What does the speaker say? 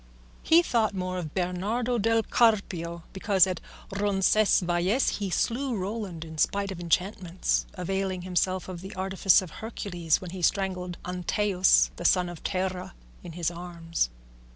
He thought more of Bernardo del Carpio because at Roncesvalles he slew Roland in spite of enchantments, availing himself of the artifice of Hercules when he strangled Antaeus the son of Terra in his arms.